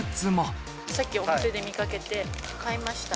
さっきお店で見かけて買いました。